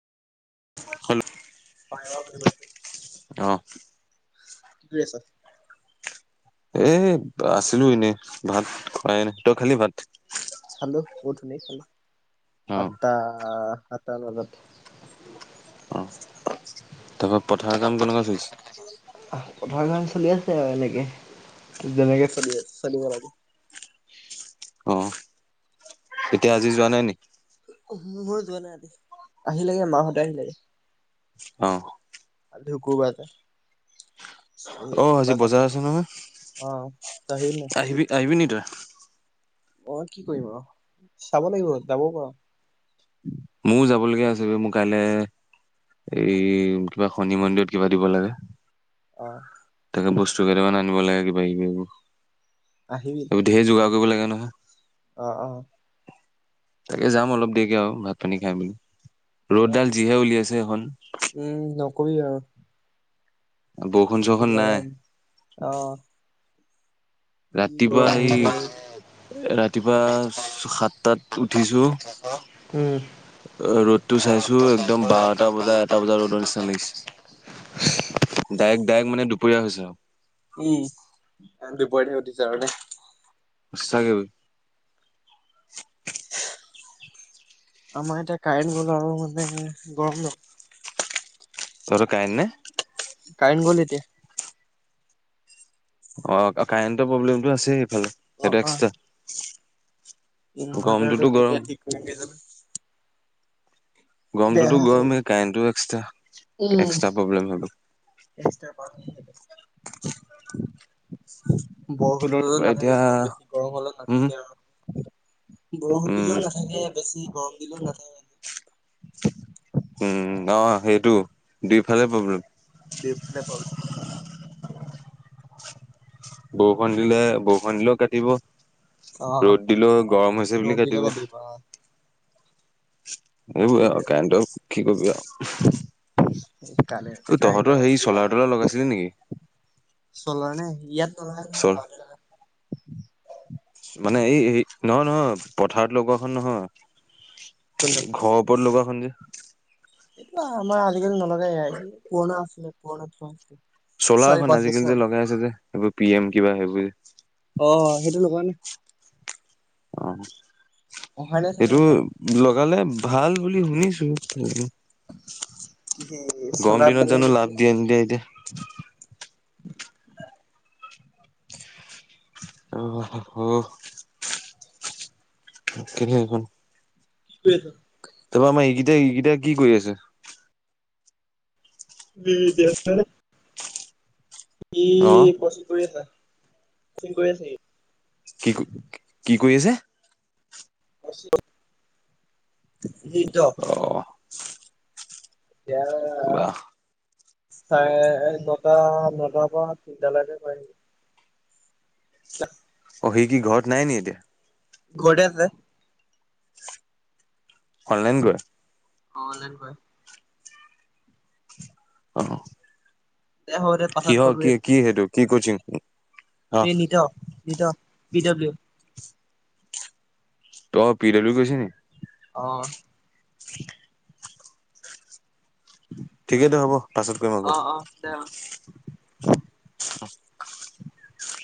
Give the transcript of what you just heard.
Hello [unintelligible] কি অ কৰি আছা? এ' আছিলো এনেই ভাত খুৱাই নাই তই খালি ভাত? খালো বহুত ধুনীয়া কে খালো অ আঠতা আঠতা মানত। অ' তাৰপৰা পথাৰৰ কাম কেনেকুৱা চলিছে? পথাৰৰ কাম চলি আছে আৰু এনেকে যেনেকে চলিব লাগে। অ' এতিয়া আজি যোৱা নাই নেকি? [unintelligible] ময় যোৱা নায় আজি আহিলেগে মাহঁতে আহিলে। অ'। আজি শুক্ৰবাৰ যে। সেই অ', কিবা আজি যাব বজাৰ আছে চাগে অ তই আহিবি নাই নহয় আহিবি আহিবি নিকি তই? [inaudible] অ' কি কৰিম আৰু চাব লাগিব যাবও পাৰু। মোৰো যাব লগীয়া আছে বে মোৰ কাইলে এই কিবা শনি মন্দিৰত কিবা দিব লাগে। অ'। তাকে বস্তু কেইটামান আনিব লাগে কিবা আহিবি কিবি ধেৰ যোগাৰ কৰিব লাগে নহয়। অ', অ'। তাকে যাম অলপ দেৰিকে আৰু ভাত পানী খাই মেলি। ৰ'দডাল আহিবি যিহে উলিয়াইছে সেইখন। উম নকবি আৰু বৰষুণ চৰষুণ নাই। গৰম অ যি ৰাতিপুৱা গৰম সেই আহিছে ৰাতিপুৱা সাতটাত উঠিছো অ' ৰ'দ টো চাইছো একদম বাৰটা বজা এটা বজা ৰ'দৰ নিচিনা উম লাগিছে। ডাইৰেক্ট-ডাইৰেক্ট মানে দুপৰীয়া হৈছে আৰু। উম জেন দুপৰতে হে উঠিচো আৰু নে। সচাকই। আমাৰ এতিয়া কাৰেণ্ট গ'ল আৰু মানে গৰম ন। তহতৰ কাৰেন্ট নাই? কাৰেন্ট গল এতিয়া। অ' কাৰেন্টৰ প্ৰব্লেমটো আছে সেফালে অ', সেইটো অ', এক্সট্ৰা। গৰমটোতো ইনভাৰ্টাৰটো গৰম কেতিয়া ঠিক কৰিম। [unintelligible] গৰমটোতো গৰমেই, কাৰেণতো এক্সট্ৰা, এক্সট্ৰা প্ৰব্লেম হৈ গল। সাৰ প বৰশু দো তাৰপৰা এতিয়া নাথাকে বেছি গৰম হলে উম নাথাকে আৰু বৰষুণ উম দিলেও নাথাকে, বেছি গৰম দিনত নাথাকে। উম অ' সেইটো, দুইফালে প্ৰব্লেম। দেফালে পাবল [unintelligible] বৰষণ দিলে, বৰষণ দিলেও কাটিব অ' ৰ'দ দিলে গৰম হৈছে ৰ'দ বুলি দিলেও কাটিব। দিব অ'। এইব নকবি আৰু [unintelligible] কণটো কি কবি আৰু। কাল অ' কাইণ্ড তহঁতৰ [unintelligible] হেৰি লিল আ চলাৰ মাল তলাৰ নে, লগাইছিলি নেকি? চলাৰ নে? ই ইাত ন চল গা [unintelligible] মানে এই, নহ নহয়, পথাৰত লগৱো খন নহয়। কোনটো? ঘৰৰ ওপৰত লগোৱাখন যে এইটো আমাৰ আজিকালি নলগাই আহি পুৰণা আছিলে পুৰণা থোৱা আছিলে। চাৰি চ'লাৰখন পাঁচ আজিকালি বছৰ যে লগাই আছে যে, সেইবোৰ পি এম কিবা সেইবোৰ যে। অ' সেইটো লগোৱা নাই। অ'। অহা নাই চাগে সেইটো লগালে ভাল বুলি শুনিছো। সেই গম চলাৰ দিনত পেনেল জানো দিছে লাভ নেকি? দিয়ে নিদিয়ে এতিয়া। অ'। কেনেখোন ছ [unintelligible] তাৰপৰা আমাৰ এইকেইটাাই, এইকেইটাাই কি কৰি আছে? বিে [unintelligible] অ ই পৰচং [unintelligible] কৰি আছা পৰচং [unintelligible] কৰি আছা সি। কি, কি কৰি আছে? নিদ [unintelligible] অ এয়া বাহ চাৰে নটা, নটাৰ পৰা তিনটা লেকে কৰে নেকি। ত অ' সি কি ঘৰত নাই নি এতিয়া? ঘোৰটে আছে। অনলাইন কৰে? অনলাইন কৰে। অ'। দে হ'ব দে পাছত কল কিহৰ, কৰি কি, আছো কি সেইটো কি কচিং? অ এই নিত, নিত, পি ডাব্লিউ। তই পিডাব্লিউ কৈছে নি? অ'। [inaudible] ঠিকেই দ হ'ব, পাছত কৰিম অ আকো। অ দে অ অ'।